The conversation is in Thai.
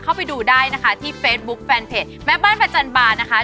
เข้าไปดูได้ที่เฟซบุ๊กแฟนเพจแม่บ้านปรัจจันทร์บานนะคะ